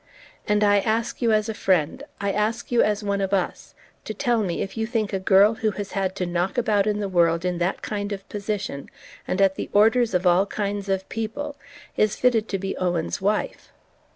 And I ask you as a friend, I ask you as one of US, to tell me if you think a girl who has had to knock about the world in that kind of position, and at the orders of all kinds of people, is fitted to be Owen's wife.